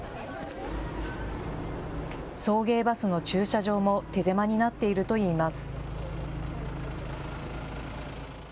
送迎バスの駐車場も手狭になっているといいます。